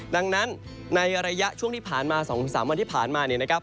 ดังนั้นในระยะช่วงที่ผ่านมา๒๓วันที่ผ่านมาเนี่ยนะครับ